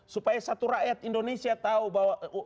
supaya satu rakyat indonesia tahu bahwa